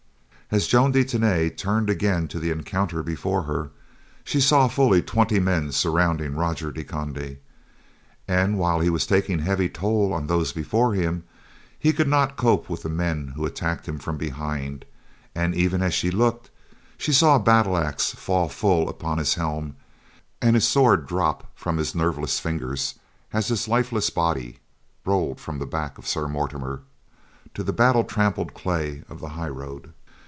As Joan de Tany turned again to the encounter before her, she saw fully twenty men surrounding Roger de Conde, and while he was taking heavy toll of those before him, he could not cope with the men who attacked him from behind; and even as she looked, she saw a battle axe fall full upon his helm, and his sword drop from his nerveless fingers as his lifeless body rolled from the back of Sir Mortimer to the battle tramped clay of the highroad.